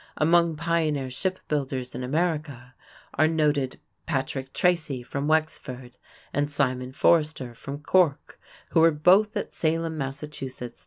Among pioneer ship builders in America are noted Patrick Tracy fron Wexford and Simon Forrester from Cork, who were both at Salem, Mass.